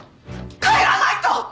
帰らないと！